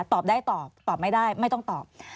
ตอบได้ตอบตอบไม่ได้ไม่ต้องตอบ